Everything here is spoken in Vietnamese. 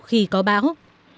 kỳ cọ báo